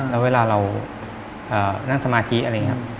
แล้วเวลาเรานั่งสมาธิอะไรอย่างนี้